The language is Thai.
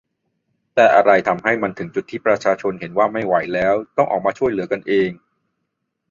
แต่อะไรทำให้มันถึงจุดที่ประชาชนเห็นว่าไม่ไหวแล้ว ต้องออกมาช่วยเหลือกันเอง ?